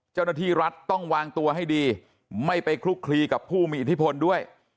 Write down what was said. เจ้าหน้าที่รัฐต้องวางตัวให้ดีไม่ไปคลุกคลีกับผู้มีอิทธิพลด้วย